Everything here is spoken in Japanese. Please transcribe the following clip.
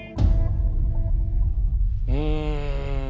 うん。